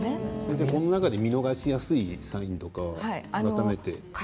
この中で見逃しやすいサインはありますか？